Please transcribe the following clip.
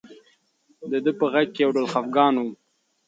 د ده په غږ کې یو ډول خپګان و.